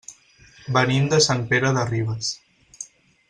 Venim de Sant Pere de Ribes.